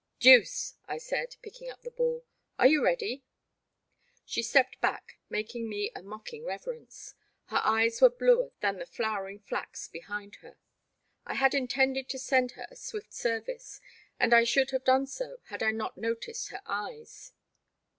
'* Deuce/' I said, picking up a ball, are you ready ?'' She stepped back, making me a mocking reverence. Her eyes were bluer than the flower ing flax behind her. I had intended to send her a swift service, and I should have done so had I not noticed her eyes.